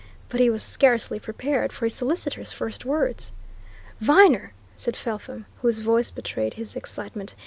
But he was scarcely prepared for his solicitor's first words. "Viner!" said Felpham, whose voice betrayed his excitement.